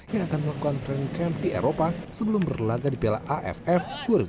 yang akan melakukan train camp di eropa sebelum berlaga di piala aff dua ribu dua puluh